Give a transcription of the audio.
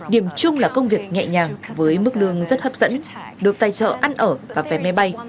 điểm chung là công việc nhẹ nhàng với mức lương rất hấp dẫn được tài trợ ăn ở và vé máy bay